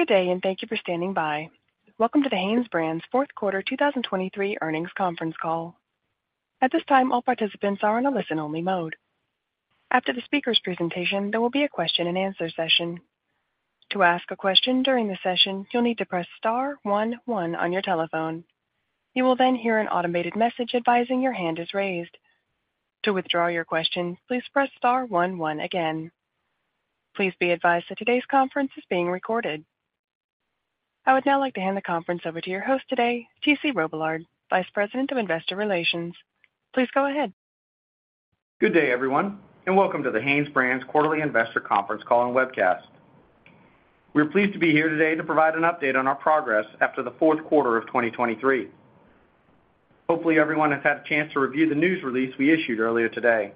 Good day, and thank you for standing by. Welcome to the HanesBrands fourth quarter 2023 earnings conference call. At this time, all participants are in a listen-only mode. After the speaker's presentation, there will be a question-and-answer session. To ask a question during the session, you'll need to press star one one on your telephone. You will then hear an automated message advising your hand is raised. To withdraw your question, please press star one one again. Please be advised that today's conference is being recorded. I would now like to hand the conference over to your host today, TC Robillard, Vice President of Investor Relations. Please go ahead. Good day, everyone, and welcome to the HanesBrands' quarterly investor conference call and webcast. We're pleased to be here today to provide an update on our progress after the fourth quarter of 2023. Hopefully, everyone has had a chance to review the news release we issued earlier today.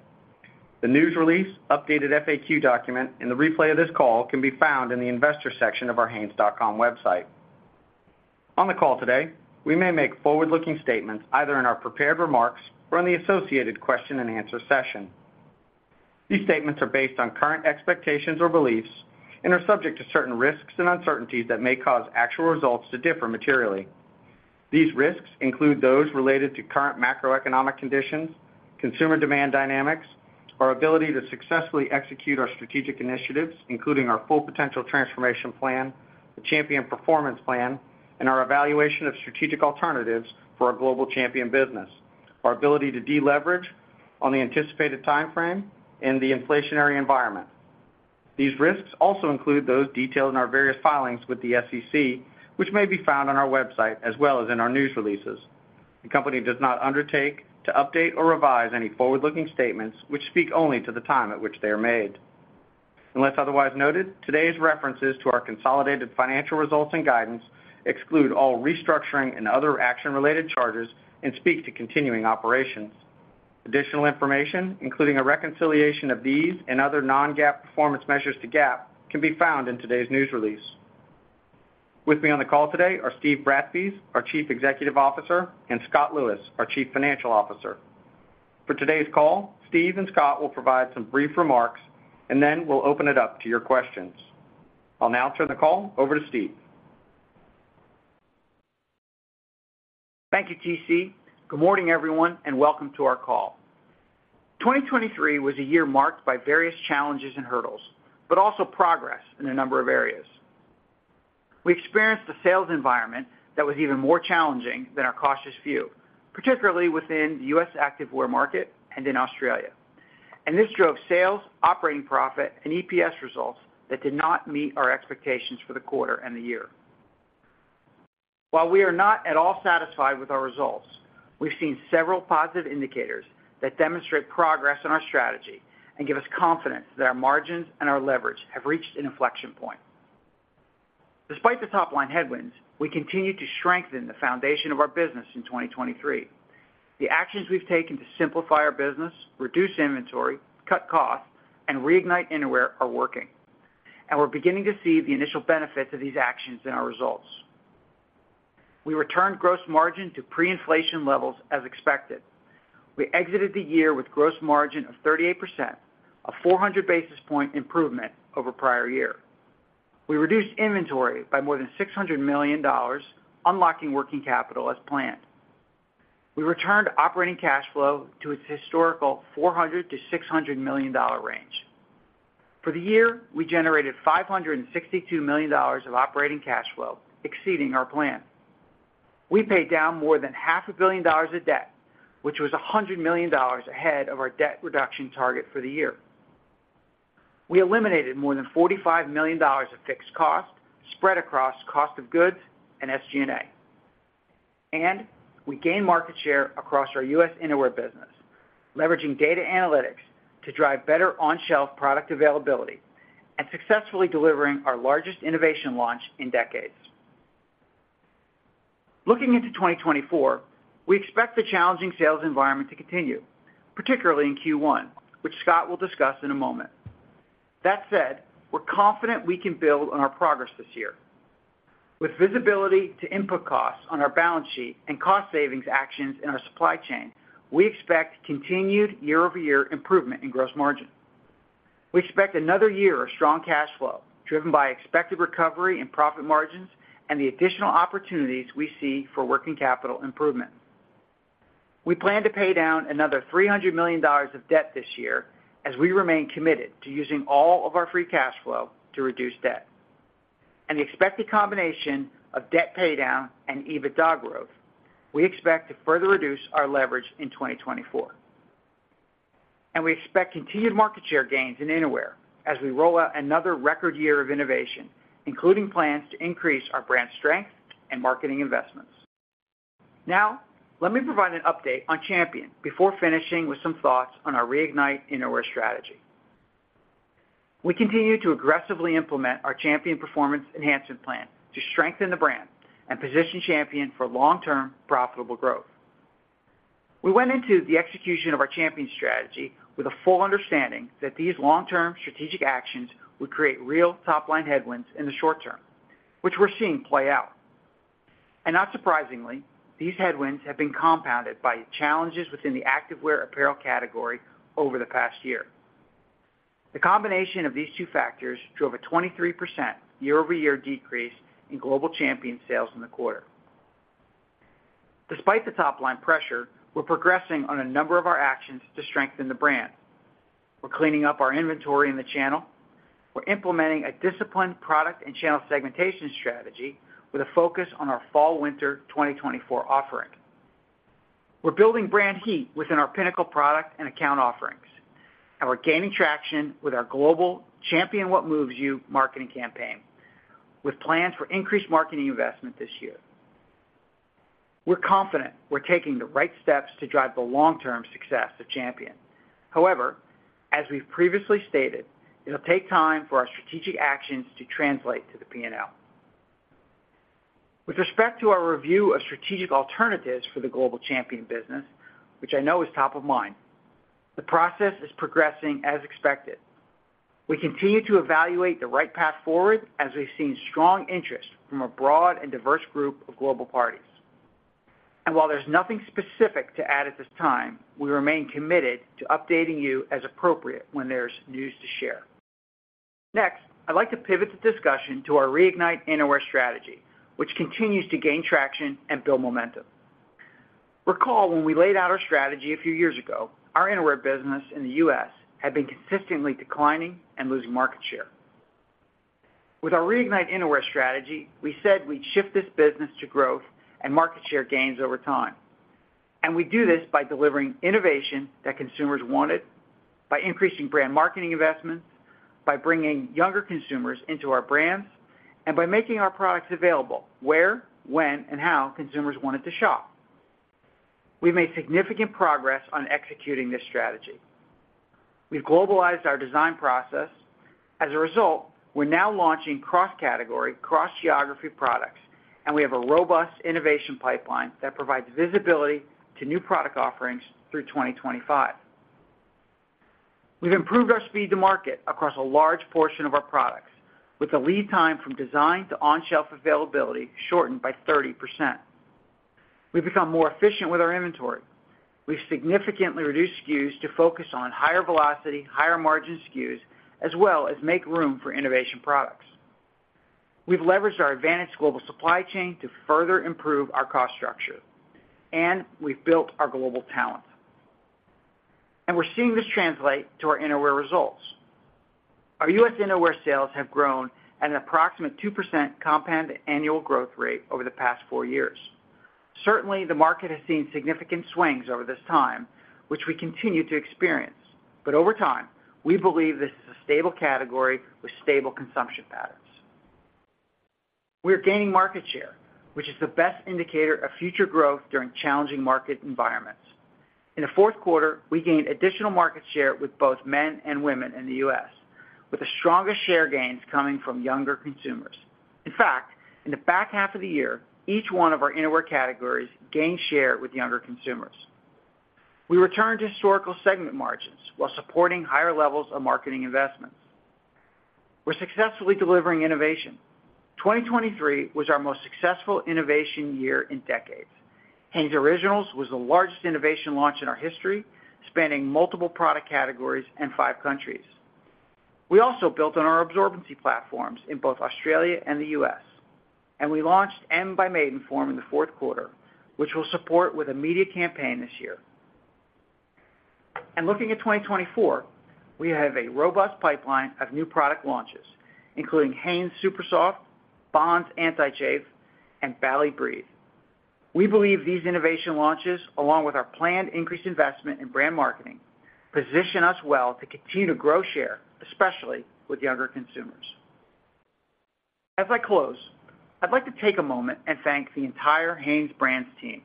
The news release, updated FAQ document, and the replay of this call can be found in the investor section of our hanes.com website. On the call today, we may make forward-looking statements either in our prepared remarks or in the associated question-and-answer session. These statements are based on current expectations or beliefs and are subject to certain risks and uncertainties that may cause actual results to differ materially. These risks include those related to current macroeconomic conditions, consumer demand dynamics, our ability to successfully execute our strategic initiatives, including our Full Potential Plan, the Champion Performance Plan, and our evaluation of strategic alternatives for our Global Champion business, our ability to deleverage on the anticipated timeframe and the inflationary environment. These risks also include those detailed in our various filings with the SEC, which may be found on our website as well as in our news releases. The company does not undertake to update or revise any forward-looking statements which speak only to the time at which they are made. Unless otherwise noted, today's references to our consolidated financial results and guidance exclude all restructuring and other action-related charges and speak to continuing operations. Additional information, including a reconciliation of these and other non-GAAP performance measures to GAAP, can be found in today's news release. With me on the call today are Steve Bratspies, our Chief Executive Officer, and Scott Lewis, our Chief Financial Officer. For today's call, Steve and Scott will provide some brief remarks, and then we'll open it up to your questions. I'll now turn the call over to Steve. Thank you, T.C. Good morning, everyone, and welcome to our call. 2023 was a year marked by various challenges and hurdles, but also progress in a number of areas. We experienced a sales environment that was even more challenging than our cautious view, particularly within the U.S. activewear market and in Australia. This drove sales, operating profit, and EPS results that did not meet our expectations for the quarter and the year. While we are not at all satisfied with our results, we've seen several positive indicators that demonstrate progress in our strategy and give us confidence that our margins and our leverage have reached an inflection point. Despite the top-line headwinds, we continued to strengthen the foundation of our business in 2023. The actions we've taken to simplify our business, reduce inventory, cut costs, and reignite Innerwear are working, and we're beginning to see the initial benefits of these actions in our results. We returned gross margin to pre-inflation levels as expected. We exited the year with gross margin of 38%, a 400 basis point improvement over prior year. We reduced inventory by more than $600 million, unlocking working capital as planned. We returned operating cash flow to its historical $400 million-$600 million range. For the year, we generated $562 million of operating cash flow, exceeding our plan. We paid down more than $500 million of debt, which was $100 million ahead of our debt reduction target for the year. We eliminated more than $45 million of fixed costs spread across cost of goods and SG&A. We gained market share across our U.S. innerwear business, leveraging data analytics to drive better on-shelf product availability and successfully delivering our largest innovation launch in decades. Looking into 2024, we expect the challenging sales environment to continue, particularly in Q1, which Scott will discuss in a moment. That said, we're confident we can build on our progress this year. With visibility to input costs on our balance sheet and cost savings actions in our supply chain, we expect continued year-over-year improvement in gross margin. We expect another year of strong cash flow, driven by expected recovery and profit margins and the additional opportunities we see for working capital improvement. We plan to pay down another $300 million of debt this year, as we remain committed to using all of our free cash flow to reduce debt. The expected combination of debt paydown and EBITDA growth, we expect to further reduce our leverage in 2024. We expect continued market share gains in innerwear as we roll out another record year of innovation, including plans to increase our brand strength and marketing investments. Now, let me provide an update on Champion before finishing with some thoughts on our Reignite Innerwear strategy. We continue to aggressively implement our Champion Performance Enhancement Plan to strengthen the brand and position Champion for long-term profitable growth. We went into the execution of our Champion strategy with a full understanding that these long-term strategic actions would create real top-line headwinds in the short term, which we're seeing play out. Not surprisingly, these headwinds have been compounded by challenges within the activewear apparel category over the past year. The combination of these two factors drove a 23% year-over-year decrease in global Champion sales in the quarter. Despite the top line pressure, we're progressing on a number of our actions to strengthen the brand. We're cleaning up our inventory in the channel. We're implementing a disciplined product and channel segmentation strategy with a focus on our fall/winter 2024 offering. We're building brand heat within our pinnacle product and account offerings, and we're gaining traction with our global Champion: What Moves You marketing campaign, with plans for increased marketing investment this year. We're confident we're taking the right steps to drive the long-term success of Champion. However, as we've previously stated, it'll take time for our strategic actions to translate to the P&L. With respect to our review of strategic alternatives for the global Champion business, which I know is top of mind, the process is progressing as expected. We continue to evaluate the right path forward as we've seen strong interest from a broad and diverse group of global parties. While there's nothing specific to add at this time, we remain committed to updating you as appropriate when there's news to share. Next, I'd like to pivot the discussion to our Reignite Innerwear strategy, which continues to gain traction and build momentum. Recall, when we laid out our strategy a few years ago, our innerwear business in the U.S. had been consistently declining and losing market share. With our Reignite Innerwear strategy, we said we'd shift this business to growth and market share gains over time, and we'd do this by delivering innovation that consumers wanted, by increasing brand marketing investments, by bringing younger consumers into our brands, and by making our products available where, when, and how consumers wanted to shop. We've made significant progress on executing this strategy. We've globalized our design process. As a result, we're now launching cross-category, cross-geography products, and we have a robust innovation pipeline that provides visibility to new product offerings through 2025. We've improved our speed to market across a large portion of our products, with the lead time from design to on-shelf availability shortened by 30%. We've become more efficient with our inventory. We've significantly reduced SKUs to focus on higher velocity, higher margin SKUs, as well as make room for innovation products. We've leveraged our advantage global supply chain to further improve our cost structure, and we've built our global talent. We're seeing this translate to our innerwear results. Our U.S. innerwear sales have grown at an approximate 2% compound annual growth rate over the past four years. Certainly, the market has seen significant swings over this time, which we continue to experience. But over time, we believe this is a stable category with stable consumption patterns. We are gaining market share, which is the best indicator of future growth during challenging market environments. In the fourth quarter, we gained additional market share with both men and women in the U.S., with the strongest share gains coming from younger consumers. In fact, in the back half of the year, each one of our innerwear categories gained share with younger consumers. We returned to historical segment margins while supporting higher levels of marketing investments. We're successfully delivering innovation. 2023 was our most successful innovation year in decades. Hanes Originals was the largest innovation launch in our history, spanning multiple product categories and five countries. We also built on our absorbency platforms in both Australia and the U.S., and we launched M by Maidenform in the fourth quarter, which we'll support with a media campaign this year. And looking at 2024, we have a robust pipeline of new product launches, including Hanes SuperSoft, Bonds Anti-Chafe, and Bali Breathe. We believe these innovation launches, along with our planned increased investment in brand marketing, position us well to continue to grow share, especially with younger consumers. As I close, I'd like to take a moment and thank the entire HanesBrands team.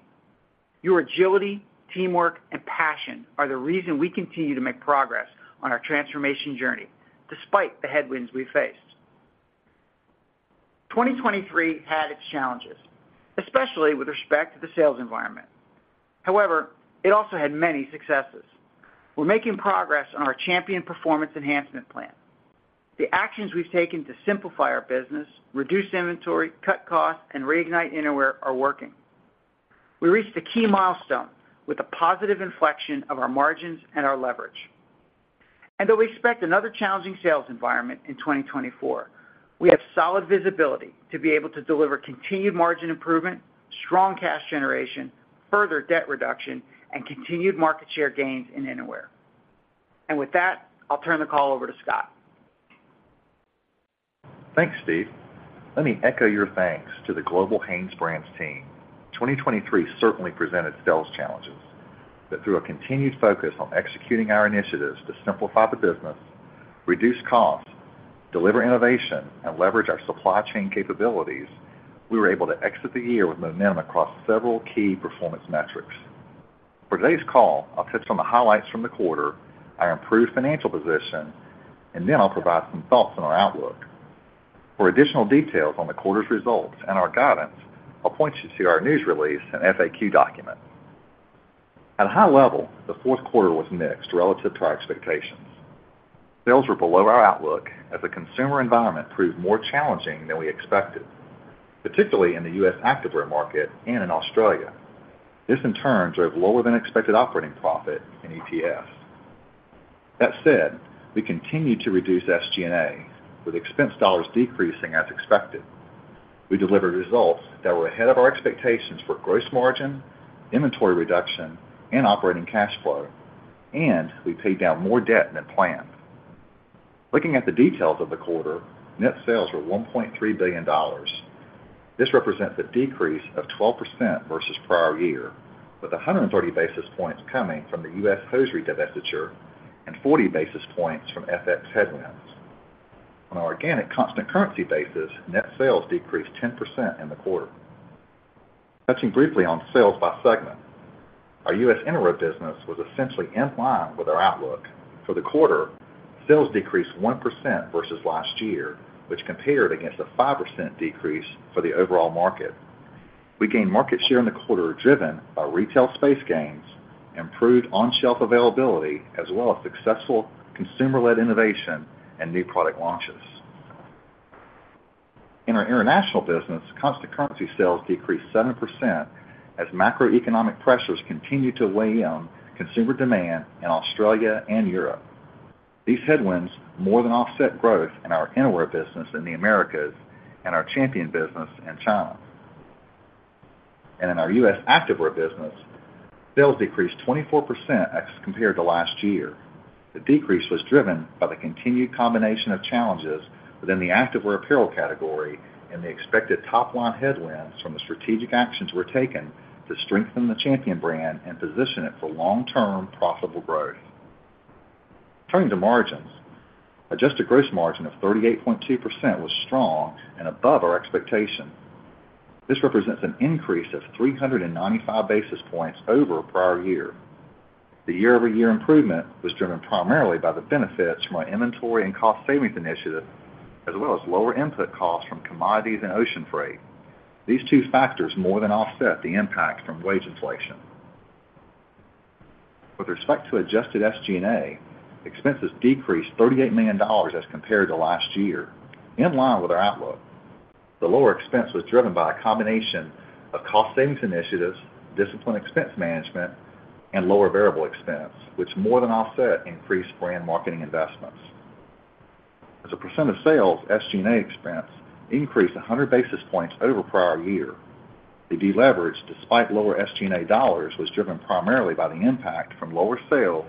Your agility, teamwork, and passion are the reason we continue to make progress on our transformation journey despite the headwinds we faced. 2023 had its challenges, especially with respect to the sales environment. However, it also had many successes. We're making progress on our Champion Performance Enhancement Plan. The actions we've taken to simplify our business, reduce inventory, cut costs, and Reignite Innerwear are working. We reached a key milestone with a positive inflection of our margins and our leverage. And though we expect another challenging sales environment in 2024, we have solid visibility to be able to deliver continued margin improvement, strong cash generation, further debt reduction, and continued market share gains in innerwear. And with that, I'll turn the call over to Scott. Thanks, Steve. Let me echo your thanks to the global HanesBrands team. 2023 certainly presented sales challenges, but through a continued focus on executing our initiatives to simplify the business, reduce costs, deliver innovation, and leverage our supply chain capabilities, we were able to exit the year with momentum across several key performance metrics. For today's call, I'll touch on the highlights from the quarter, our improved financial position, and then I'll provide some thoughts on our outlook. For additional details on the quarter's results and our guidance, I'll point you to our news release and FAQ document. At a high level, the fourth quarter was mixed relative to our expectations. Sales were below our outlook as the consumer environment proved more challenging than we expected, particularly in the U.S. activewear market and in Australia. This, in turn, drove lower than expected operating profit and EPS. That said, we continued to reduce SG&A, with expense dollars decreasing as expected. We delivered results that were ahead of our expectations for gross margin, inventory reduction, and operating cash flow, and we paid down more debt than planned. Looking at the details of the quarter, net sales were $1.3 billion. This represents a decrease of 12% versus prior year, with 130 basis points coming from the U.S. Hosiery divestiture and 40 basis points from FX headwinds. On an organic, constant currency basis, net sales decreased 10% in the quarter. Touching briefly on sales by segment. Our U.S. Innerwear business was essentially in line with our outlook. For the quarter, sales decreased 1% versus last year, which compared against a 5% decrease for the overall market. We gained market share in the quarter, driven by retail space gains, improved on-shelf availability, as well as successful consumer-led innovation and new product launches. In our international business, constant currency sales decreased 7% as macroeconomic pressures continued to weigh on consumer demand in Australia and Europe. These headwinds more than offset growth in our Innerwear business in the Americas and our Champion business in China. And in our U.S. Activewear business, sales decreased 24% as compared to last year. The decrease was driven by the continued combination of challenges within the activewear apparel category and the expected top line headwinds from the strategic actions were taken to strengthen the Champion brand and position it for long-term profitable growth. Turning to margins. Adjusted gross margin of 38.2% was strong and above our expectation. This represents an increase of 395 basis points over prior year. The year-over-year improvement was driven primarily by the benefits from our inventory and cost savings initiative, as well as lower input costs from commodities and ocean freight. These two factors more than offset the impact from wage inflation. With respect to adjusted SG&A, expenses decreased $38 million as compared to last year, in line with our outlook. The lower expense was driven by a combination of cost savings initiatives, disciplined expense management, and lower variable expense, which more than offset increased brand marketing investments. As a percent of sales, SG&A expense increased 100 basis points over prior year. The deleverage, despite lower SG&A dollars, was driven primarily by the impact from lower sales,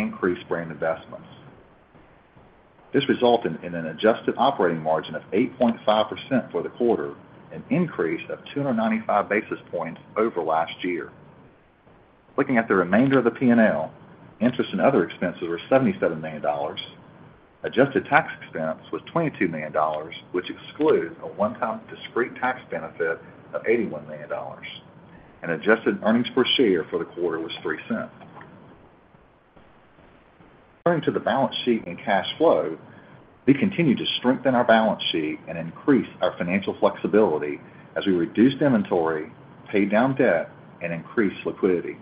increased brand investments. This resulted in an adjusted operating margin of 8.5% for the quarter, an increase of 295 basis points over last year. Looking at the remainder of the P&L, interest and other expenses were $77 million. Adjusted tax expense was $22 million, which excludes a one-time discrete tax benefit of $81 million. Adjusted earnings per share for the quarter was $0.03. Turning to the balance sheet and cash flow, we continued to strengthen our balance sheet and increase our financial flexibility as we reduced inventory, paid down debt, and increased liquidity.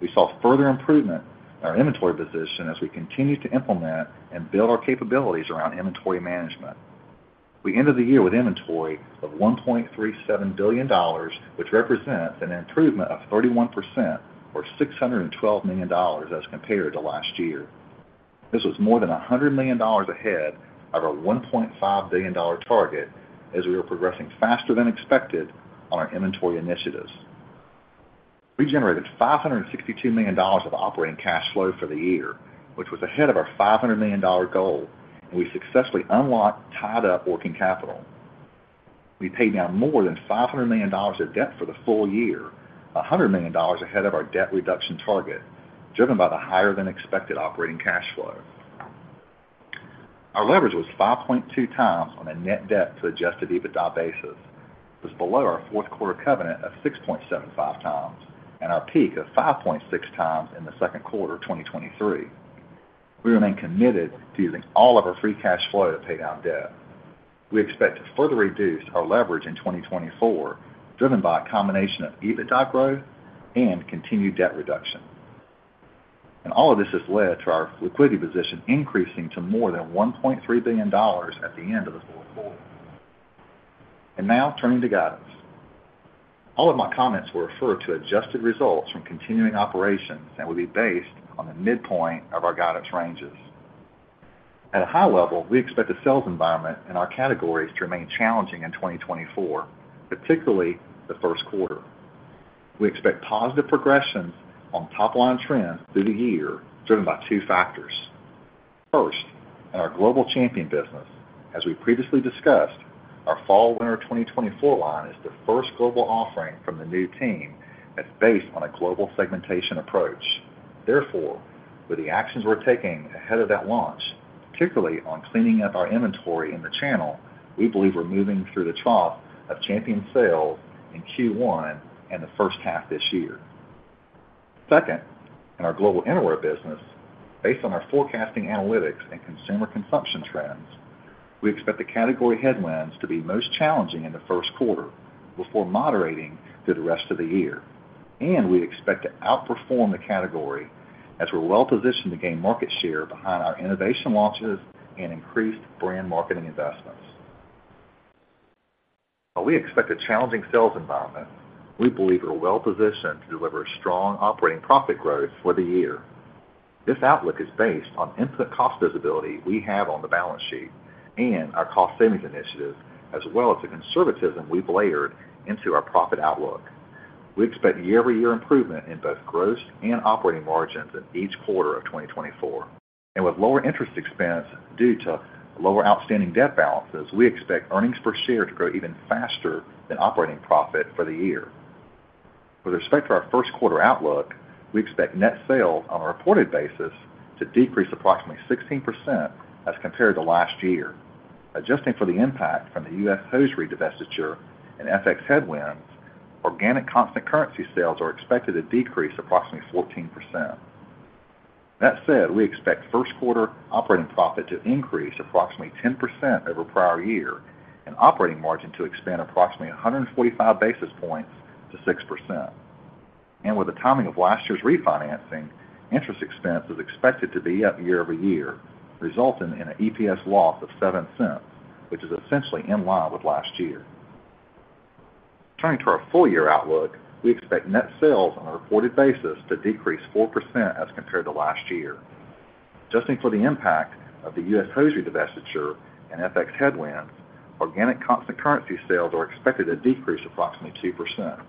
We saw further improvement in our inventory position as we continued to implement and build our capabilities around inventory management. We ended the year with inventory of $1.37 billion, which represents an improvement of 31%, or $612 million as compared to last year. This was more than $100 million ahead of our $1.5 billion target, as we are progressing faster than expected on our inventory initiatives. We generated $562 million of operating cash flow for the year, which was ahead of our $500 million goal, and we successfully unlocked tied-up working capital. We paid down more than $500 million of debt for the full year, $100 million ahead of our debt reduction target, driven by the higher-than-expected operating cash flow. Our leverage was 5.2 times on a net debt to adjusted EBITDA basis. It was below our fourth quarter covenant of 6.75 times and our peak of 5.6 times in the second quarter of 2023. We remain committed to using all of our free cash flow to pay down debt. We expect to further reduce our leverage in 2024, driven by a combination of EBITDA growth and continued debt reduction. And all of this has led to our liquidity position increasing to more than $1.3 billion at the end of the fourth quarter. And now turning to guidance. All of my comments will refer to adjusted results from continuing operations and will be based on the midpoint of our guidance ranges. At a high level, we expect the sales environment in our categories to remain challenging in 2024, particularly the first quarter. We expect positive progressions on top-line trends through the year, driven by two factors. First, in our global Champion business, as we previously discussed, our fall/winter 2024 line is the first global offering from the new team that's based on a global segmentation approach. Therefore, with the actions we're taking ahead of that launch, particularly on cleaning up our inventory in the channel, we believe we're moving through the trough of Champion sales in Q1 and the first half this year. Second, in our global Innerwear business, based on our forecasting analytics and consumer consumption trends, we expect the category headwinds to be most challenging in the first quarter before moderating through the rest of the year. We expect to outperform the category as we're well positioned to gain market share behind our innovation launches and increased brand marketing investments. While we expect a challenging sales environment, we believe we're well positioned to deliver strong operating profit growth for the year. This outlook is based on input cost visibility we have on the balance sheet and our cost savings initiatives, as well as the conservatism we've layered into our profit outlook. We expect year-over-year improvement in both gross and operating margins in each quarter of 2024. With lower interest expense due to lower outstanding debt balances, we expect earnings per share to grow even faster than operating profit for the year. With respect to our first quarter outlook, we expect net sales on a reported basis to decrease approximately 16% as compared to last year. Adjusting for the impact from the U.S. Hosiery divestiture and FX headwinds, organic constant currency sales are expected to decrease approximately 14%. That said, we expect first quarter operating profit to increase approximately 10% over prior year, and operating margin to expand approximately 145 basis points to 6%. And with the timing of last year's refinancing, interest expense is expected to be up year-over-year, resulting in an EPS loss of $0.07, which is essentially in line with last year. Turning to our full year outlook, we expect net sales on a reported basis to decrease 4% as compared to last year. Adjusting for the impact of the U.S. Hosiery divestiture and FX headwinds, organic constant currency sales are expected to decrease approximately 2%.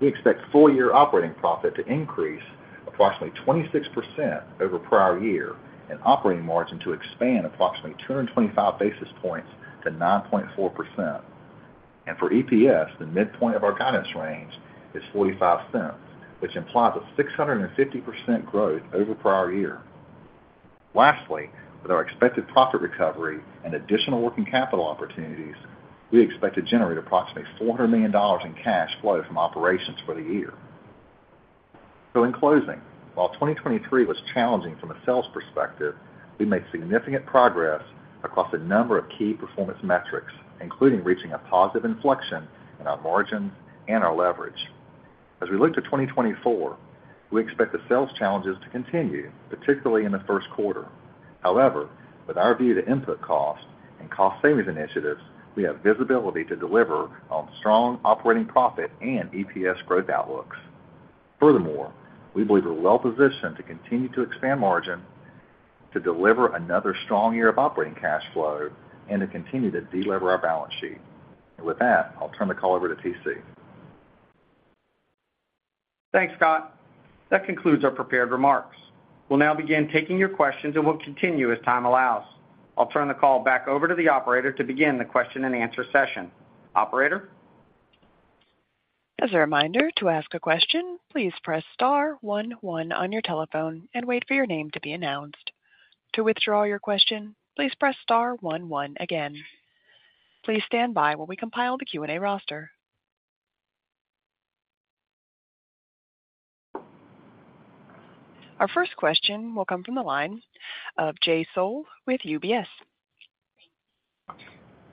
We expect full year operating profit to increase approximately 26% over prior year, and operating margin to expand approximately 225 basis points to 9.4%. For EPS, the midpoint of our guidance range is $0.45, which implies a 650% growth over prior year. Lastly, with our expected profit recovery and additional working capital opportunities, we expect to generate approximately $400 million in cash flow from operations for the year. So in closing, while 2023 was challenging from a sales perspective, we made significant progress across a number of key performance metrics, including reaching a positive inflection in our margins and our leverage. As we look to 2024, we expect the sales challenges to continue, particularly in the first quarter. However, with our view to input costs and cost savings initiatives, we have visibility to deliver on strong operating profit and EPS growth outlooks. Furthermore, we believe we're well positioned to continue to expand margin, to deliver another strong year of operating cash flow, and to continue to delever our balance sheet. With that, I'll turn the call over to T.C. Thanks, Scott. That concludes our prepared remarks. We'll now begin taking your questions, and we'll continue as time allows. I'll turn the call back over to the operator to begin the question-and-answer session. Operator? As a reminder, to ask a question, please press star one, one on your telephone and wait for your name to be announced. To withdraw your question, please press star one, one again. Please stand by while we compile the Q&A roster. Our first question will come from the line of Jay Sole with UBS.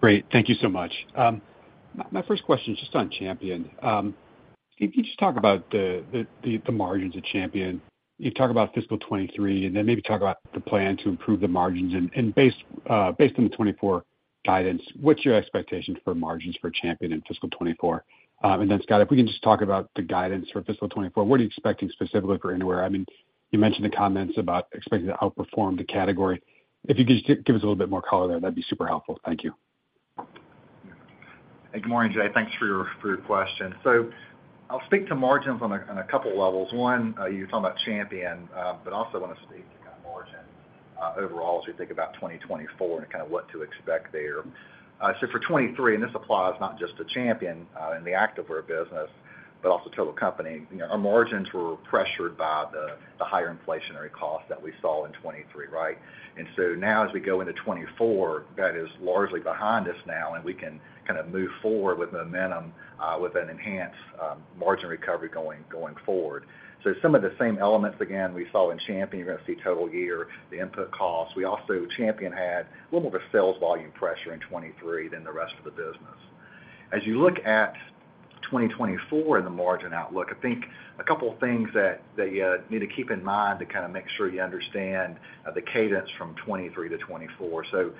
Great. Thank you so much. My first question is just on Champion. Can you just talk about the margins at Champion? You talk about fiscal 2023, and then maybe talk about the plan to improve the margins. And based on the 2024 guidance, what's your expectations for margins for Champion in fiscal 2024? And then, Scott, if we can just talk about the guidance for fiscal 2024, what are you expecting specifically for Innerwear? I mean, you mentioned the comments about expecting to outperform the category. If you could just give us a little bit more color there, that'd be super helpful. Thank you. Good morning, Jay. Thanks for your question. So I'll speak to margins on a couple levels. One, you were talking about Champion, but I also want to speak to kind of margin overall as we think about 2024 and kind of what to expect there. So for 2023, and this applies not just to Champion in the activewear business, but also total company, you know, our margins were pressured by the higher inflationary costs that we saw in 2023, right? And so now as we go into 2024, that is largely behind us now, and we can kind of move forward with momentum with an enhanced margin recovery going forward. So some of the same elements, again, we saw in Champion, you're going to see total year, the input costs. We also Champion had a little more of a sales volume pressure in 2023 than the rest of the business. As you look at 2024 and the margin outlook, I think a couple of things that you need to keep in mind to kind of make sure you understand the cadence from 2023 to 2024. So,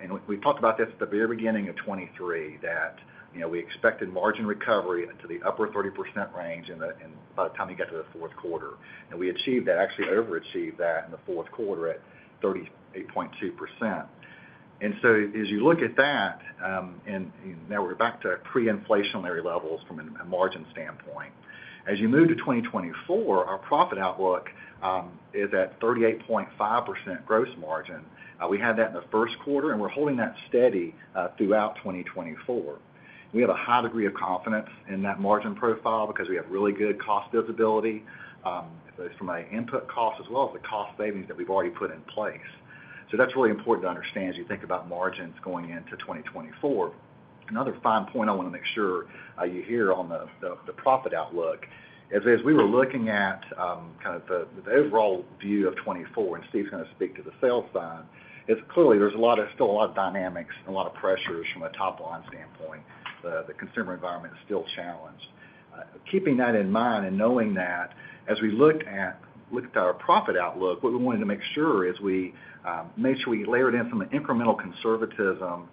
and we talked about this at the very beginning of 2023, that you know, we expected margin recovery into the upper 30% range in the and by the time you get to the fourth quarter. And we achieved that, actually overachieved that in the fourth quarter at 38.2%. And so as you look at that, and now we're back to pre-inflationary levels from a margin standpoint. As you move to 2024, our profit outlook is at 38.5% gross margin. We had that in the first quarter, and we're holding that steady throughout 2024. We have a high degree of confidence in that margin profile because we have really good cost visibility from an input cost as well as the cost savings that we've already put in place. So that's really important to understand as you think about margins going into 2024. Another fine point I want to make sure you hear on the profit outlook is, as we were looking at kind of the overall view of 2024, and Steve's gonna speak to the sales side, is clearly there's a lot of still a lot of dynamics and a lot of pressures from a top line standpoint. The consumer environment is still challenged. Keeping that in mind and knowing that, as we looked at our profit outlook, what we wanted to make sure is we made sure we layered in some incremental conservatism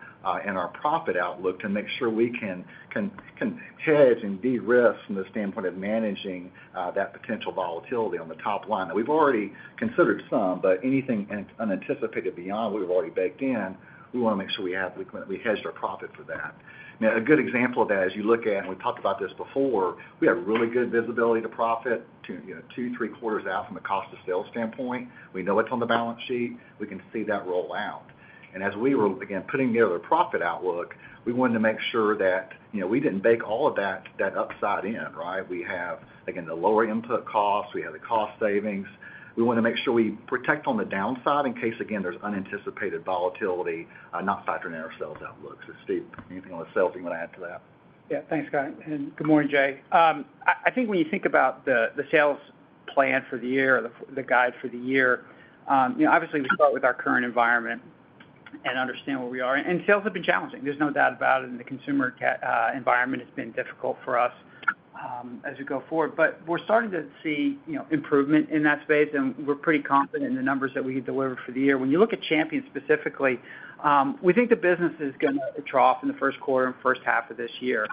in our profit outlook to make sure we can hedge and de-risk from the standpoint of managing that potential volatility on the top line. That we've already considered some, but anything unanticipated beyond what we've already baked in, we wanna make sure we've hedged our profit for that. Now, a good example of that, as you look at and we talked about this before, we have really good visibility to profit two, you know, two, three quarters out from a cost of sales standpoint. We know it's on the balance sheet. We can see that roll out. As we were, again, putting together a profit outlook, we wanted to make sure that, you know, we didn't bake all of that, that upside in, right? We have, again, the lower input costs, we have the cost savings. We wanna make sure we protect on the downside in case, again, there's unanticipated volatility, not factored in our sales outlook. So Steve, anything on the sales you wanna add to that? Yeah. Thanks, Scott, and good morning, Jay. I think when you think about the sales plan for the year, the guide for the year, you know, obviously, we start with our current environment and understand where we are. And sales have been challenging, there's no doubt about it, and the consumer environment has been difficult for us as we go forward. But we're starting to see, you know, improvement in that space, and we're pretty confident in the numbers that we can deliver for the year. When you look at Champion specifically, we think the business is gonna trough in the first quarter and first half of this year.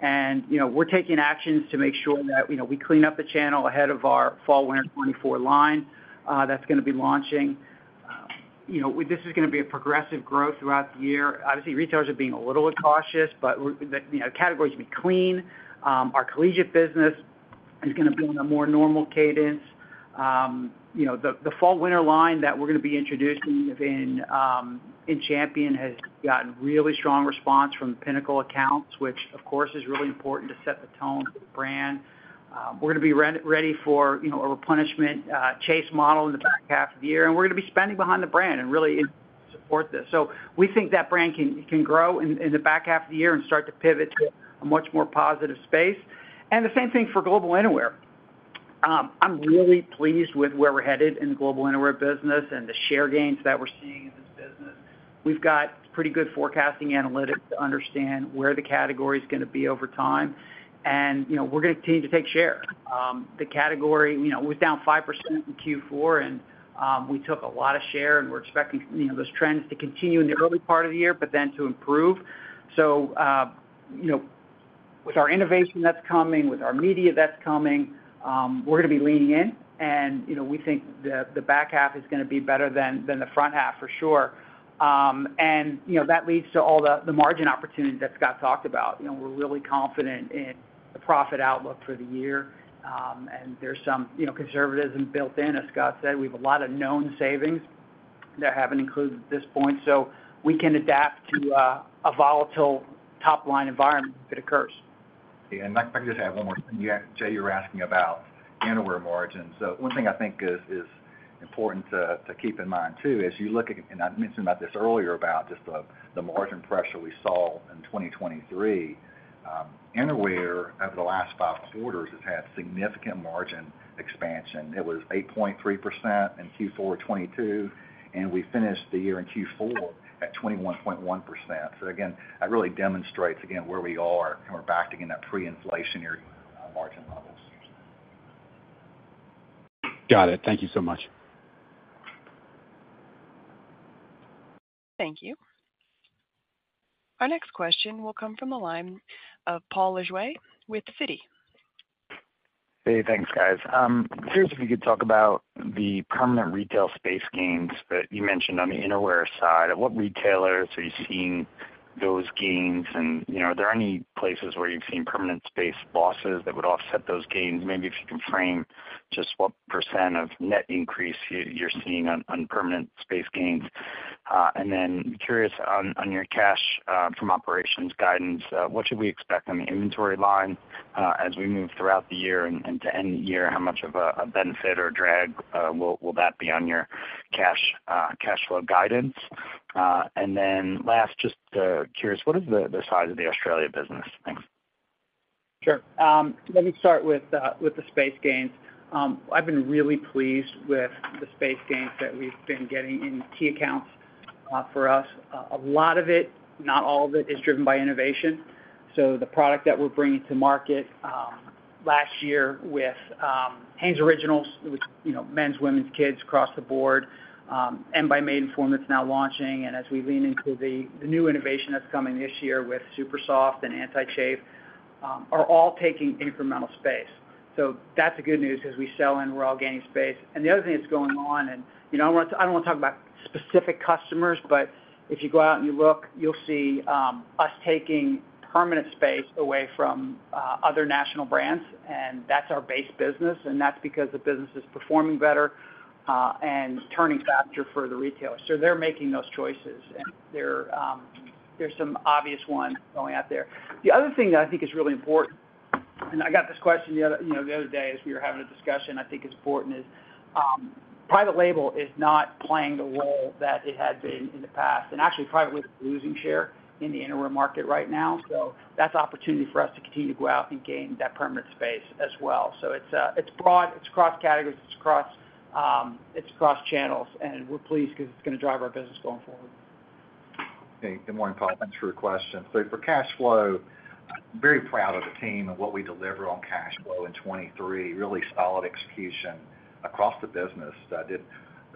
And, you know, we're taking actions to make sure that, you know, we clean up the channel ahead of our fall/winter 2024 line, that's gonna be launching. You know, this is gonna be a progressive growth throughout the year. Obviously, retailers are being a little cautious, but the categories will be clean. Our collegiate business is gonna be on a more normal cadence. You know, the fall/winter line that we're gonna be introducing in Champion has gotten really strong response from the pinnacle accounts, which of course is really important to set the tone for the brand. We're gonna be ready for, you know, a replenishment chase model in the back half of the year, and we're gonna be spending behind the brand and really support this. So we think that brand can grow in the back half of the year and start to pivot to a much more positive space. And the same thing for Global Innerwear. I'm really pleased with where we're headed in the Global Innerwear business and the share gains that we're seeing in this business. We've got pretty good forecasting analytics to understand where the category is gonna be over time, and, you know, we're gonna continue to take share. The category, you know, was down 5% in Q4, and, we took a lot of share, and we're expecting, you know, those trends to continue in the early part of the year, but then to improve. So, you know, with our innovation that's coming, with our media that's coming, we're gonna be leaning in, and, you know, we think the, the back half is gonna be better than, than the front half, for sure. And, you know, that leads to all the, the margin opportunities that Scott talked about. You know, we're really confident in the profit outlook for the year. There's some, you know, conservatism built in. As Scott said, we have a lot of known savings that haven't included at this point, so we can adapt to a volatile top-line environment if it occurs. Yeah, and if I could just add one more thing. You, Jay, you were asking about innerwear margins. So one thing I think is important to keep in mind, too, as you look at, and I mentioned about this earlier, about just the margin pressure we saw in 2023. Innerwear, over the last five quarters, has had significant margin expansion. It was 8.3% in Q4 2022, and we finished the year in Q4 at 21.1%. So again, that really demonstrates, again, where we are, and we're back again in that pre-inflationary margin levels. Got it. Thank you so much. Thank you. Our next question will come from the line of Paul Lejuez with Citi. Hey, thanks, guys. Curious if you could talk about the permanent retail space gains that you mentioned on the innerwear side. At what retailers are you seeing those gains? And, you know, are there any places where you've seen permanent space losses that would offset those gains? Maybe if you can frame just what percent of net increase you're seeing on permanent space gains. And then curious on your cash from operations guidance, what should we expect on the inventory line, as we move throughout the year and to end the year? How much of a benefit or drag will that be on your cash cash flow guidance? And then last, just curious, what is the size of the Australia business? Thanks. Sure. Let me start with the space gains. I've been really pleased with the space gains that we've been getting in key accounts for us. A lot of it, not all of it, is driven by innovation. So the product that we're bringing to market last year with Hanes Originals, with, you know, men's, women's, kids, across the board, and by Maidenform, that's now launching, and as we lean into the new innovation that's coming this year with SuperSoft and Anti-Chafe, are all taking incremental space. So that's the good news, as we sell in, we're all gaining space. The other thing that's going on, and you know, I don't wanna, I don't wanna talk about specific customers, but if you go out and you look, you'll see us taking permanent space away from other national brands, and that's our base business, and that's because the business is performing better and turning faster for the retailers. So they're making those choices, and there, there's some obvious ones going out there. The other thing that I think is really important, and I got this question the other, you know, the other day as we were having a discussion, I think it's important, is private label is not playing the role that it had been in the past, and actually, private label is losing share in the innerwear market right now. So that's opportunity for us to continue to go out and gain that permanent space as well. So it's, it's broad, it's cross categories, it's cross, it's cross channels, and we're pleased 'cause it's gonna drive our business going forward. Okay, good morning, Paul. Thanks for your question. So for cash flow, very proud of the team and what we delivered on cash flow in 2023. Really solid execution across the business, did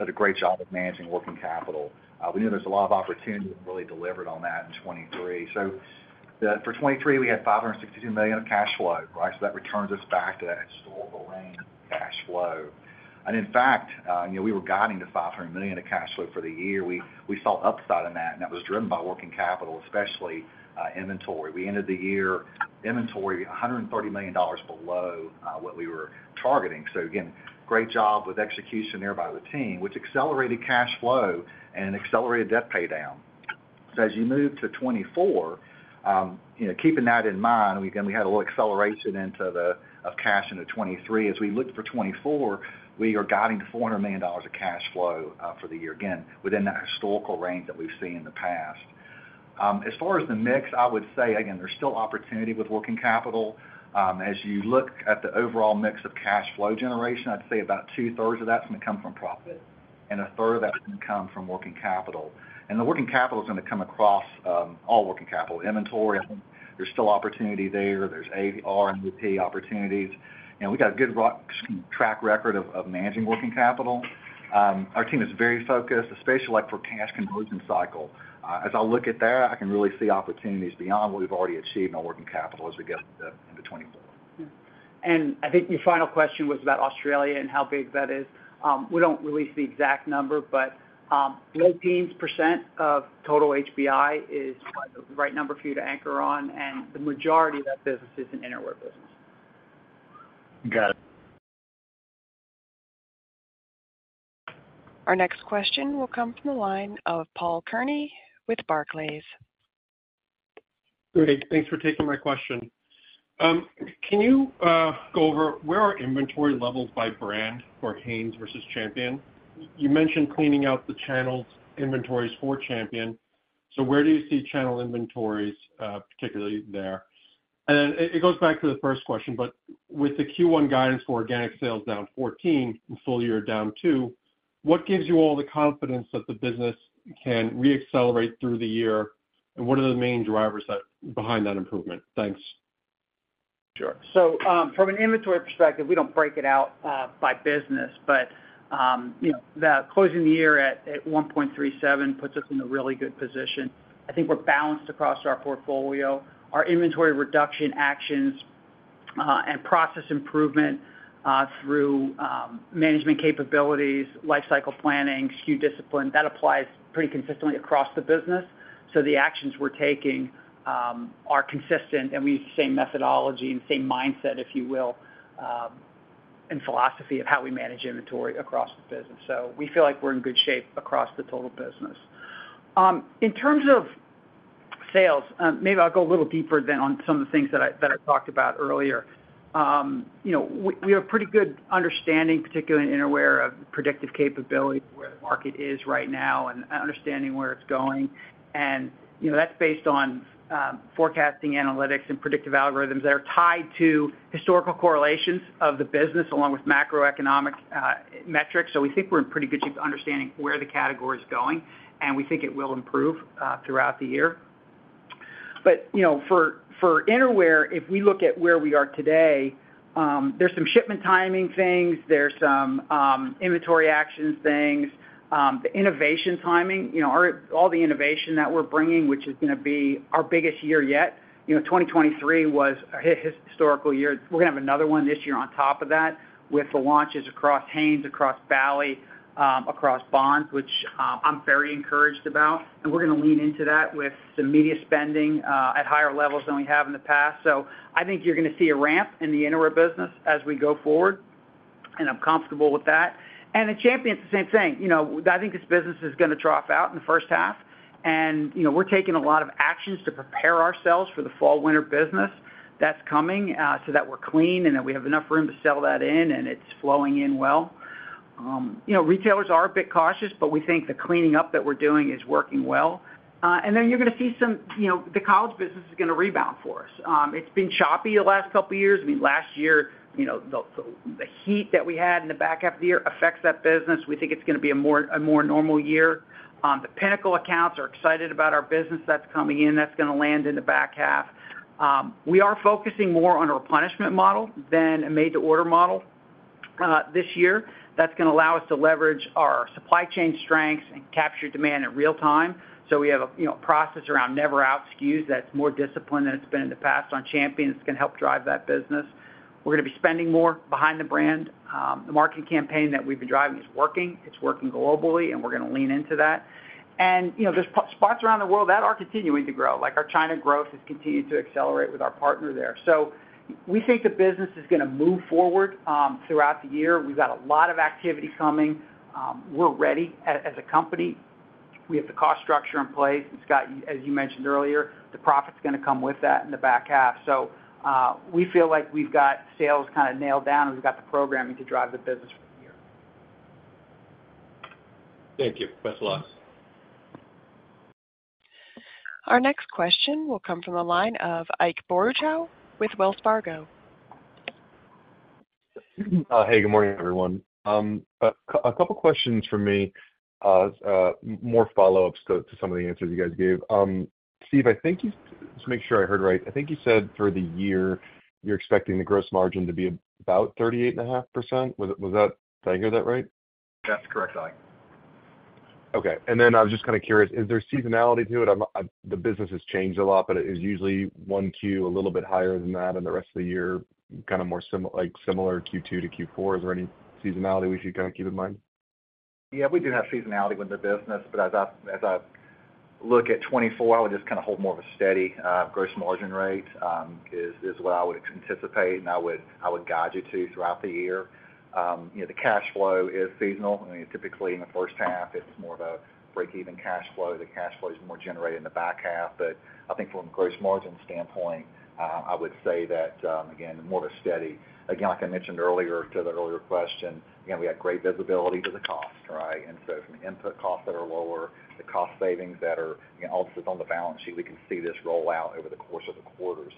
a great job of managing working capital. We knew there was a lot of opportunity and really delivered on that in 2023. So for 2023, we had $562 million of cash flow, right? So that returns us back to that historical range cash flow. And in fact, you know, we were guiding to $500 million of cash flow for the year. We saw upside in that, and that was driven by working capital, especially inventory. We ended the year inventory $130 million below what we were targeting. So again, great job with execution there by the team, which accelerated cash flow and accelerated debt paydown. So as you move to 2024, you know, keeping that in mind, we again, we had a little acceleration of cash into 2023. As we look for 2024, we are guiding to $400 million of cash flow for the year, again, within that historical range that we've seen in the past. As far as the mix, I would say again, there's still opportunity with working capital. As you look at the overall mix of cash flow generation, I'd say about 2/3 of that's gonna come from profit and a third of that is gonna come from working capital. And the working capital is gonna come across all working capital. Inventory, I think there's still opportunity there. There's AR and AP opportunities, and we've got a good track record of managing working capital. Our team is very focused, especially like for cash conversion cycle. As I look at that, I can really see opportunities beyond what we've already achieved in our working capital as we get into 2024. I think your final question was about Australia and how big that is. We don't release the exact number, but low teens percent of total HBI is the right number for you to anchor on, and the majority of that business is an innerwear business. Got it. Our next question will come from the line of Paul Kearney with Barclays. Great. Thanks for taking my question. Can you go over where are inventory levels by brand for Hanes versus Champion? You mentioned cleaning out the channels inventories for Champion, so where do you see channel inventories, particularly there? And then it goes back to the first question, but with the Q1 guidance for organic sales down 14 and full year down two, what gives you all the confidence that the business can reaccelerate through the year? And what are the main drivers that are behind that improvement? Thanks. Sure. So, from an inventory perspective, we don't break it out by business, but, you know, closing the year at 1.37 puts us in a really good position. I think we're balanced across our portfolio. Our inventory reduction actions and process improvement through management capabilities, life cycle planning, SKU discipline, that applies pretty consistently across the business. So the actions we're taking are consistent, and we use the same methodology and same mindset, if you will, and philosophy of how we manage inventory across the business. So we feel like we're in good shape across the total business. In terms of sales, maybe I'll go a little deeper then on some of the things that I talked about earlier. You know, we have a pretty good understanding, particularly in innerwear, of predictive capability, where the market is right now and understanding where it's going. And, you know, that's based on forecasting, analytics, and predictive algorithms that are tied to historical correlations of the business, along with macroeconomic metrics. So we think we're in pretty good shape to understanding where the category is going, and we think it will improve throughout the year. But, you know, for innerwear, if we look at where we are today, there's some shipment timing things. There's some inventory actions things, the innovation timing. You know, our—all the innovation that we're bringing, which is gonna be our biggest year yet, you know, 2023 was a historical year. We're gonna have another one this year on top of that with the launches across Hanes, across Bali, across Bonds, which, I'm very encouraged about. And we're gonna lean into that with some media spending, at higher levels than we have in the past. So I think you're gonna see a ramp in the innerwear business as we go forward, and I'm comfortable with that. And at Champion, it's the same thing. You know, I think this business is gonna drop out in the first half, and, you know, we're taking a lot of actions to prepare ourselves for the fall/winter business that's coming, so that we're clean and that we have enough room to sell that in, and it's flowing in well. You know, retailers are a bit cautious, but we think the cleaning up that we're doing is working well. And then you're gonna see some, you know, the college business is gonna rebound for us. It's been choppy the last couple of years. I mean, last year, you know, the heat that we had in the back half of the year affects that business. We think it's gonna be a more normal year. The Pinnacle accounts are excited about our business that's coming in, that's gonna land in the back half. We are focusing more on a replenishment model than a made-to-order model, this year. That's gonna allow us to leverage our supply chain strengths and capture demand in real time. So we have a, you know, process around never out SKUs that's more disciplined than it's been in the past on Champion. It's gonna help drive that business. We're gonna be spending more behind the brand. The marketing campaign that we've been driving is working. It's working globally, and we're gonna lean into that. You know, there's hot spots around the world that are continuing to grow, like our China growth has continued to accelerate with our partner there. We think the business is gonna move forward throughout the year. We've got a lot of activity coming. We're ready as a company. We have the cost structure in place. Scott, as you mentioned earlier, the profit's gonna come with that in the back half. We feel like we've got sales kind of nailed down, and we've got the programming to drive the business for the year. Thank you. Best of luck. Our next question will come from the line of Ike Boruchow with Wells Fargo. Hey, good morning, everyone. A couple questions from me, more follow-ups to some of the answers you guys gave. Steve, just to make sure I heard right, I think you said for the year, you're expecting the gross margin to be about 38.5%. Was that, did I hear that right? That's correct, Ike. Okay. And then I was just kind of curious, is there seasonality to it? The business has changed a lot, but it is usually 1Q, a little bit higher than that, and the rest of the year, kind of more similar Q2 to Q4. Is there any seasonality we should kind of keep in mind? Yeah, we do have seasonality with the business, but as I look at 2024, I would just kind of hold more of a steady, gross margin rate, is what I would anticipate, and I would guide you to throughout the year. You know, the cash flow is seasonal. I mean, typically, in the first half, it's more of a break-even cash flow. The cash flow is more generated in the back half. But I think from a gross margin standpoint, I would say that, again, more of a steady. Again, like I mentioned earlier to the earlier question, again, we have great visibility to the cost, right? And so from the input costs that are lower, the cost savings that are, you know, also on the balance sheet, we can see this roll out over the course of the quarters.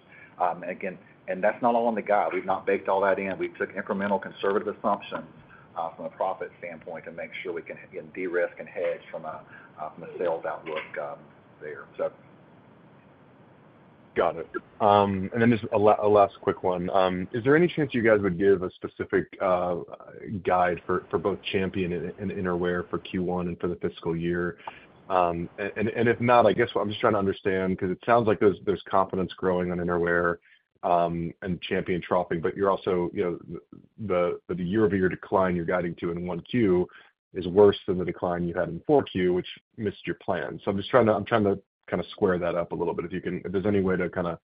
Again, and that's not all on the guide. We've not baked all that in. We took incremental conservative assumptions, from a profit standpoint to make sure we can, again, de-risk and hedge from a, from a sales outlook, there, so. Got it. And then just a last quick one. Is there any chance you guys would give a specific guide for both Champion and Innerwear for Q1 and for the fiscal year? And if not, I guess what I'm just trying to understand, because it sounds like there's confidence growing on Innerwear and Champion traction, but you're also, you know, the year-over-year decline you're guiding to in Q1 is worse than the decline you had in Q4, which missed your plan. So I'm just trying to, I'm trying to kind of square that up a little bit, if you can. If there's any way to kind of,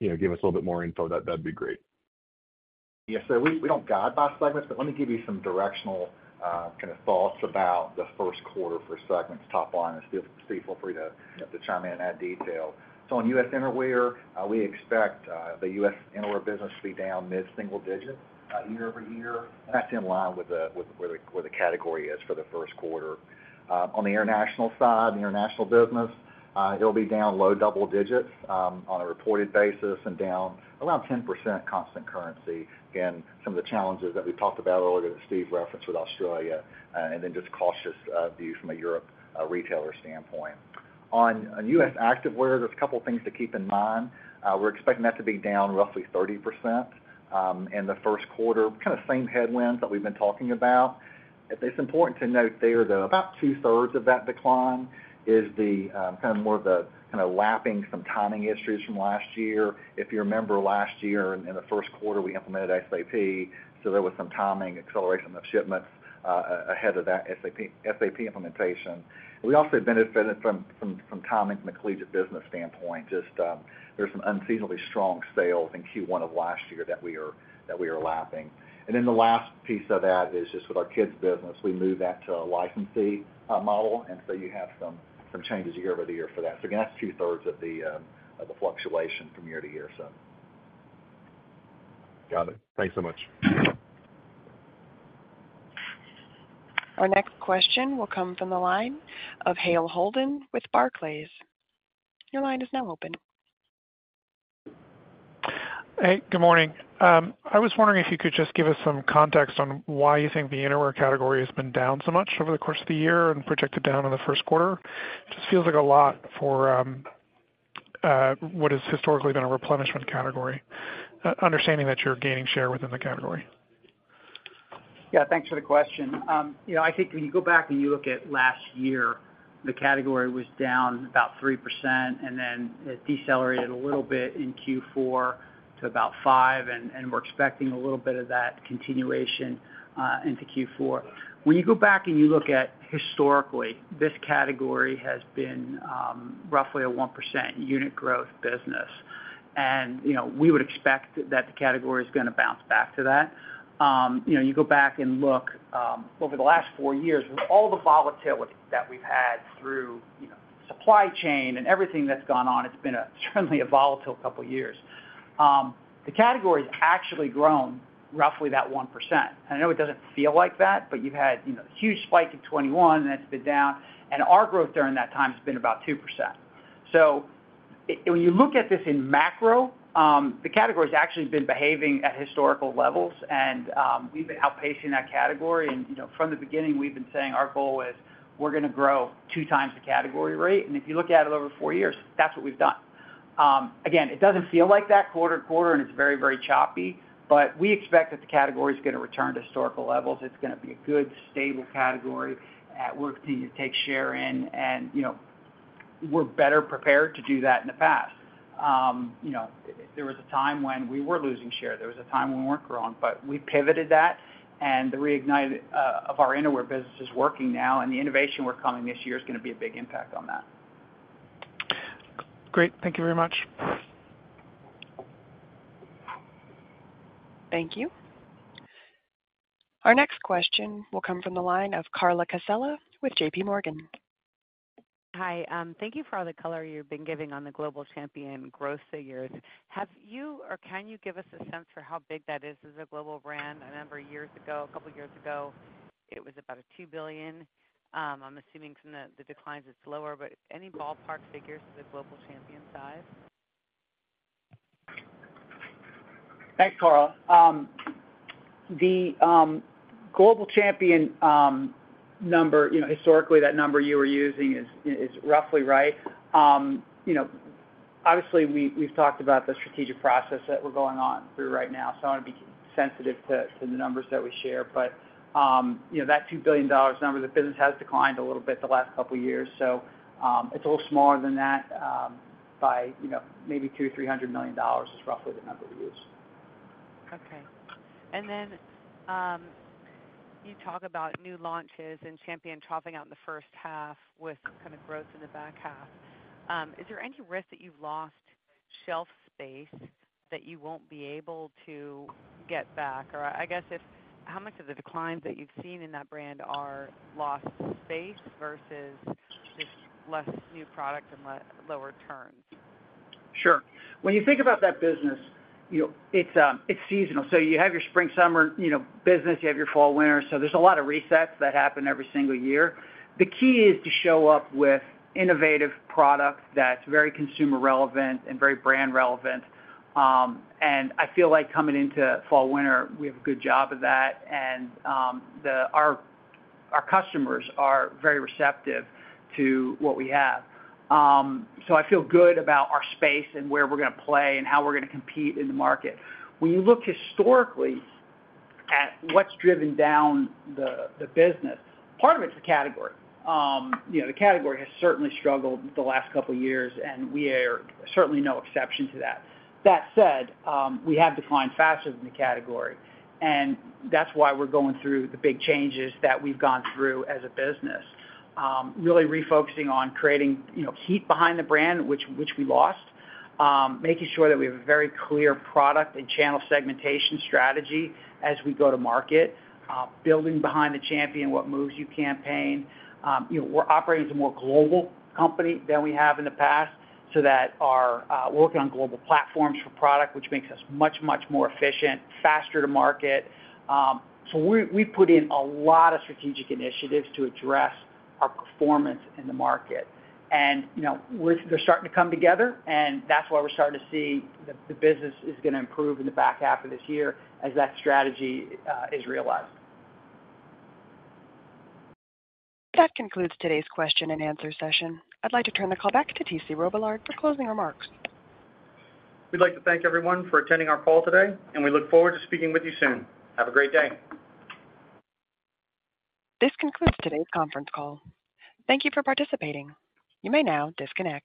you know, give us a little bit more info, that'd be great. Yes, sir. We don't guide by segments, but let me give you some directional kind of thoughts about the first quarter for segments. Top line, and Steve, feel free to chime in in that detail. So on U.S. Innerwear, we expect the U.S. Innerwear business to be down mid-single digit year-over-year. That's in line with where the category is for the first quarter. On the international side, the international business, it'll be down low double digits on a reported basis and down around 10% constant currency. Again, some of the challenges that we talked about earlier, that Steve referenced with Australia, and then just cautious view from a European retailer standpoint. On U.S. Activewear, there's a couple things to keep in mind. We're expecting that to be down roughly 30%, in the first quarter. Kind of same headwinds that we've been talking about. It's important to note there, though, about 2/3 of that decline is the kind of lapping some timing issues from last year. If you remember last year, in the first quarter, we implemented SAP, so there was some timing, acceleration of shipments, ahead of that SAP implementation. We also benefited from timing from the collegiate business standpoint. There's some unseasonably strong sales in Q1 of last year that we are lapping. And then the last piece of that is just with our kids' business, we moved that to a licensee model, and so you have some changes year-over-year for that. So again, that's 2/3 of the, of the fluctuation from year to year, so. Got it. Thanks so much. Our next question will come from the line of Hale Holden with Barclays. Your line is now open. Hey, good morning. I was wondering if you could just give us some context on why you think the Innerwear category has been down so much over the course of the year and projected down in the first quarter? Just feels like a lot for what has historically been a replenishment category, understanding that you're gaining share within the category. Yeah, thanks for the question. You know, I think when you go back and you look at last year, the category was down about 3%, and then it decelerated a little bit in Q4 to about 5%, and we're expecting a little bit of that continuation into Q4. When you go back and you look at historically, this category has been roughly a 1% unit growth business. You know, we would expect that the category is gonna bounce back to that. You know, you go back and look over the last 4 years, with all the volatility that we've had through, you know, supply chain and everything that's gone on, it's been certainly a volatile couple of years. The category's actually grown roughly that 1%. I know it doesn't feel like that, but you've had, you know, a huge spike in 2021, and it's been down, and our growth during that time has been about 2%. So when you look at this in macro, the category's actually been behaving at historical levels, and we've been outpacing that category. And, you know, from the beginning, we've been saying our goal is we're gonna grow 2x the category rate, and if you look at it over four years, that's what we've done. Again, it doesn't feel like that quarter-to-quarter, and it's very, very choppy, but we expect that the category is gonna return to historical levels. It's gonna be a good, stable category, and we're continuing to take share in, and, you know, we're better prepared to do that in the past. You know, there was a time when we were losing share. There was a time when we weren't growing, but we pivoted that, and the reignite of our Innerwear business is working now, and the innovation we're coming this year is gonna be a big impact on that. Great. Thank you very much. Thank you. Our next question will come from the line of Carla Casella with J.P. Morgan. Hi, thank you for all the color you've been giving on the global Champion growth over the years. Have you, or can you give us a sense for how big that is as a global brand? I remember years ago, a couple years ago, it was about $2 billion. I'm assuming from the, the declines it's lower, but any ballpark figures for the global Champion size? Thanks, Carla. The Global Champion number, you know, historically, that number you were using is roughly right. You know, obviously, we've talked about the strategic process that we're going on through right now, so I wanna be sensitive to the numbers that we share. But, you know, that $2 billion number, the business has declined a little bit the last couple years, so it's a little smaller than that, by, you know, maybe $200million-$300 million is roughly the number to use. Okay. And then, you talk about new launches and Champion troughing out in the first half with kind of growth in the back half. Is there any risk that you've lost shelf space that you won't be able to get back? Or I guess, how much of the declines that you've seen in that brand are lost space versus just less new product and lower turns? Sure. When you think about that business, you know, it's seasonal. So you have your spring, summer, you know, business, you have your fall, winter, so there's a lot of resets that happen every single year. The key is to show up with innovative product that's very consumer relevant and very brand relevant. And I feel like coming into fall/winter, we have a good job of that, and our customers are very receptive to what we have. So I feel good about our space and where we're gonna play and how we're gonna compete in the market. When you look historically at what's driven down the business, part of it's the category. You know, the category has certainly struggled the last couple years, and we are certainly no exception to that. That said, we have declined faster than the category, and that's why we're going through the big changes that we've gone through as a business. Really refocusing on creating, you know, heat behind the brand, which we lost. Making sure that we have a very clear product and channel segmentation strategy as we go to market. Building behind the Champion What Moves You campaign. You know, we're operating as a more global company than we have in the past, so that we're working on global platforms for product, which makes us much, much more efficient, faster to market. So we, we've put in a lot of strategic initiatives to address our performance in the market. You know, we're, they're starting to come together, and that's why we're starting to see the business is gonna improve in the back half of this year as that strategy is realized. That concludes today's question and answer session. I'd like to turn the call back to T.C. Robillard for closing remarks. We'd like to thank everyone for attending our call today, and we look forward to speaking with you soon. Have a great day. This concludes today's conference call. Thank you for participating. You may now disconnect.